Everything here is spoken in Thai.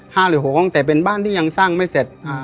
หรือหกห้องแต่เป็นบ้านที่ยังสร้างไม่เสร็จอ่า